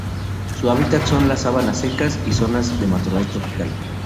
Su hábitat son las sabanas secas y zonas de matorral tropical.